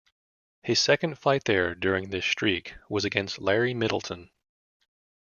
His second fight there during this streak was against Larry Middleton.